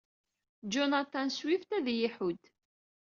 Jonathan Swift ad iyi-iḥudd.